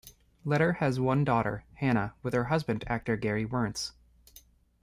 Leder has one daughter, Hannah, with her husband actor Gary Werntz.